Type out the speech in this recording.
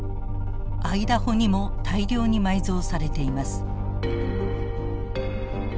アイダホにも大量に埋蔵されています。